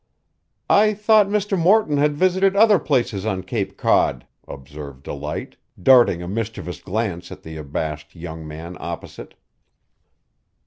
"I thought Mr. Morton had visited other places on Cape Cod," observed Delight, darting a mischievous glance at the abashed young man opposite.